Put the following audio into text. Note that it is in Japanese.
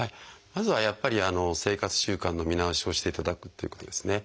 まずはやっぱり生活習慣の見直しをしていただくっていうことですね。